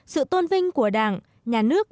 sự tôn vinh của đảng nhà nước